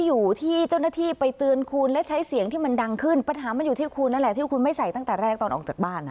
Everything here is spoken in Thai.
อยู่ที่คุณนั่นแหละที่คุณไม่ใส่ตั้งแต่แรกตอนออกจากบ้าน